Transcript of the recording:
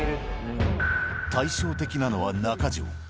対照的なのは中城。